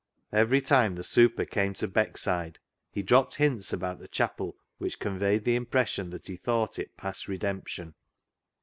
Every time the " super " came to Beckside, he dropped hints about the chapel which con veyed the impression that he thought it past redemption.